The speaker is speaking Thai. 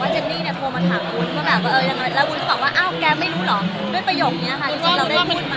ที่พี่แกแชร์กันแล้วบอกว่าเจนนี่โทรมาถามวุ้น